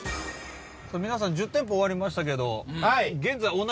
皆さん１０店舗終わりましたけど。